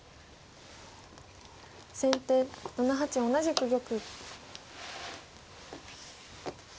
先手７八同じく玉。